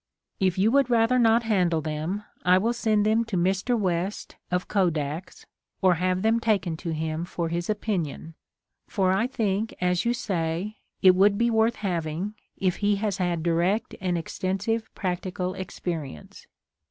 If you would rather not handle them I will send them to Mr. West of Kodak's, or have them taken to him for his opinion, for I think, as you say, it would be worth having, if he has had direct and extensive practical experience.